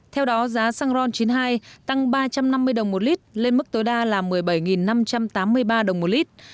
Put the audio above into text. theo đó giá xăng ron chín mươi hai tăng ba trăm năm mươi đồng một lít lên mức tối đa là một mươi bảy năm trăm tám mươi ba đồng một lít